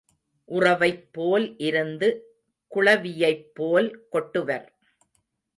உறவைப்போல் இருந்து குளவியைப்போல் கொட்டுவர்.